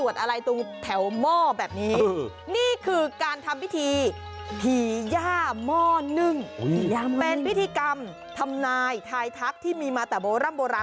หลานนาศือบทอดกันมานับร้อยปีแล้วคุณ